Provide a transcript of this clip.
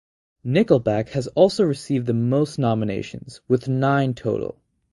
Nickelback has also received the most nominations, with nine total.